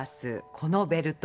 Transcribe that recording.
このベルト。